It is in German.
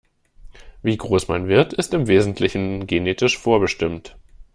Wie groß man wird, ist im Wesentlichen genetisch vorbestimmt.